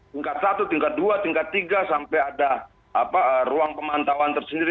tingkat satu tingkat dua tingkat tiga sampai ada ruang pemantauan tersendiri